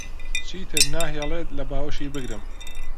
چیتر ناهێڵێت لە باوەشی بگرم.